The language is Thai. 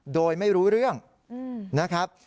โดยไม่รู้เรื่องนะครับ